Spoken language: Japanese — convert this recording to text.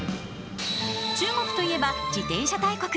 中国といえば自転車大国。